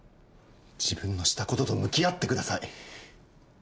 自分のしたことと向き合ってください。